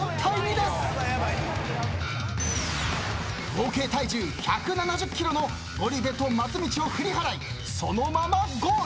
合計体重１７０ｋｇのゴリ部と松道を振り払いそのままゴール。